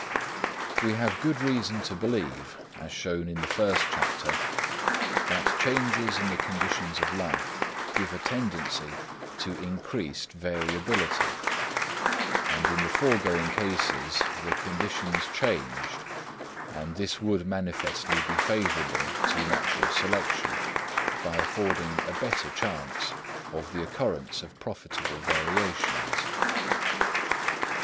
We have good reason to believe, as shown in the first chapter, that changes in the conditions of life give a tendency to increased variability; and in the foregoing cases the conditions the changed, and this would manifestly be favourable to natural selection, by affording a better chance of the occurrence of profitable variations.